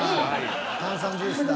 炭酸ジュースだ。